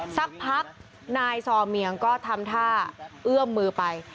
สักพักนายซอเมียงก็ทำท่าเอื้อมมือไป